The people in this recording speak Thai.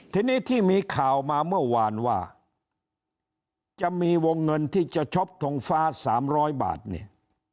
ทีนี้ที่มีข่าวมาเมื่อวานว่าจะมีวงเงินที่จะช็อปทงฟ้า๓๐๐บาทเนี่ย